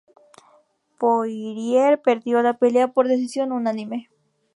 Poirier perdió la pelea por decisión unánime.